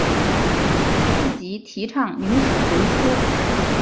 尹奉吉提倡女子读书。